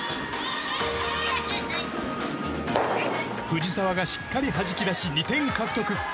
藤澤がしっかりはじき出し２点獲得。